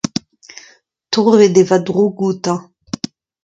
Torret eo va droug outañ.